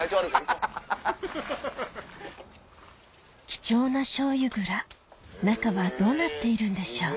貴重な醤油蔵中はどうなっているんでしょう？